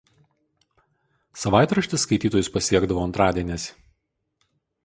Savaitraštis skaitytojus pasiekdavo antradieniais.